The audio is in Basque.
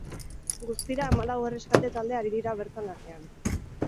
Guztira, hamalau erreskate talde ari dira bertan lanean.